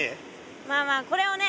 まあまあこれをね